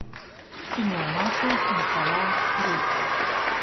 Ir nomācies un pelēks rīts.